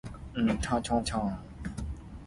靠山山會倒，靠豬寮死豬母